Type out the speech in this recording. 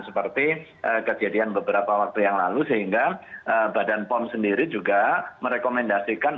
seperti kejadian beberapa waktu yang lalu sehingga badan pom sendiri juga merekomendasikan